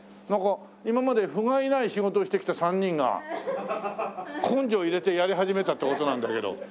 なんか今まで不甲斐ない仕事をしてきた３人が根性入れてやり始めたって事なんだけど。